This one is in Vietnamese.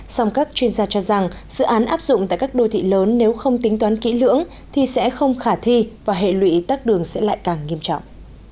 song các chuyên gia cho rằng dự án áp dụng tại các đô thị lớn nếu không tính toán kỹ lưỡng thì sẽ không khả thi và hệ lụy tắt đường sẽ lại càng nghiêm trọng